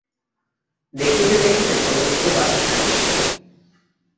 দেখিতে দেখিতে সমস্ত বাধা কাটিয়া গেল।